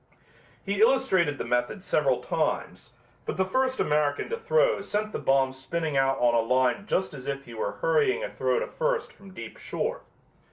He illustrated the method several times, but the first American to throw sent the bomb spinning out on a line just as if he were hurrying a throw to first from deep short.